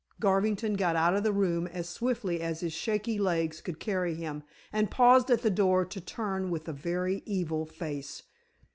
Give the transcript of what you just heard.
Garvington got out of the room as swiftly as his shaky legs could carry him, and paused at the door to turn with a very evil face.